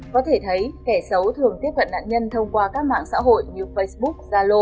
có thể thấy kẻ xấu thường tiếp cận nạn nhân thông qua các mạng xã hội như facebook zalo